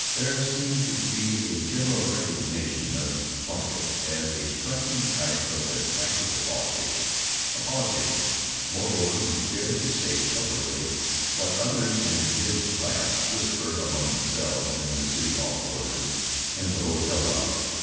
There seemed to be a general recognition of Plunkitt as a striking type of the practical politician, a politician, moreover, who dared to say publicly what others in his class whisper among themselves in the City Hall corridors and the hotel lobbies.